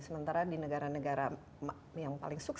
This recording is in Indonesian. sementara di negara negara yang paling sukses